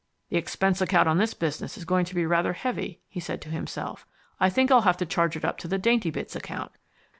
"The expense account on this business is going to be rather heavy," he said to himself. "I think I'll have to charge it up to the Daintybits account.